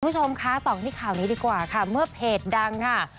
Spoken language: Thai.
คุณผู้ชมคะต่อกันที่ข่าวนี้ดีกว่าค่ะเมื่อเพจดังค่ะ